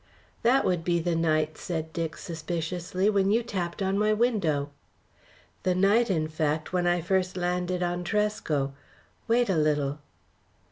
"That would be the night," said Dick, suspiciously, "when you tapped on my window." "The night, in fact, when I first landed on Tresco. Wait a little."